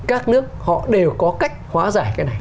các nước họ đều có cách hóa giải cái này